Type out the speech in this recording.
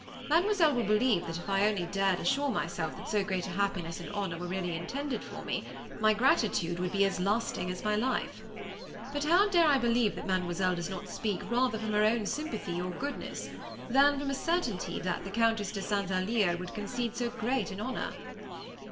"Mademoiselle will believe that if I only dared assure myself that so great a happiness and honor were really intended for me, my gratitude would be as lasting as my life. But how dare I believe that Mademoiselle does not speak, rather from her own sympathy or goodness, than from a certainty that the Countess de St. Alyre would concede so great an honor?"